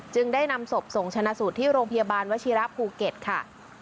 ได้นำศพส่งชนะสูตรที่โรงพยาบาลวชิระภูเก็ตค่ะ